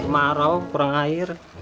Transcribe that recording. marau kurang air